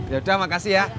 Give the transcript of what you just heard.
yaudah makasih ya